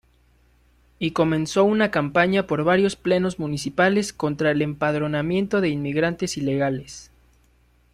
Y comenzó una campaña por varios plenos municipales contra el empadronamiento de inmigrantes ilegales.